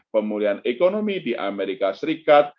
pemulihan ekonomi di amerika serikat